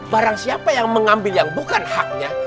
barang siapa yang mengambil yang bukan haknya